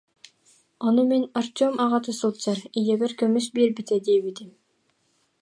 Ону мин Артем аҕата сылдьар, ийэбэр көмүс биэрбитэ диэбитим